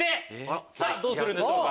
さぁどうするんでしょうか？